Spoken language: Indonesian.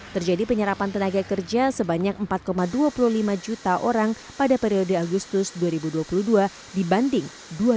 terjadi penyerapan tenaga kerja sebanyak empat dua puluh lima juta orang pada periode agustus dua ribu dua puluh dua dibanding dua ribu dua puluh